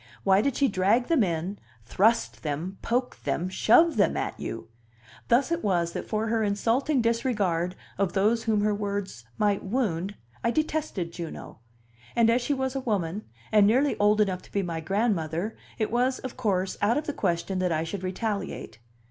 Why did she drag them in, thrust them, poke them, shove them at you? Thus it was that for her insulting disregard of those whom her words might wound I detested Juno; and as she was a woman, and nearly old enough to be my grandmother, it was, of course, out of the question that I should retaliate.